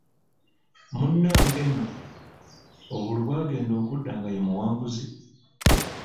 Munnange nno, obululu bwagenda okuda nga ye muwanguzi.